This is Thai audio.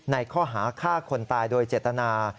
ในข้อหาฆ่าคนตายโดยเจตนา